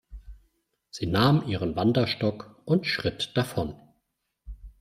Sie nahm ihren Wanderstock und schritt davon.